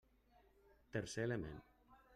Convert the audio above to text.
Tercer element.